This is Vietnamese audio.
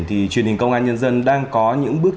thì truyền hình công an nhân dân đang có những bước